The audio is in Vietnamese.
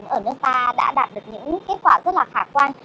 ở nước ta đã đạt được những kết quả rất là khả quan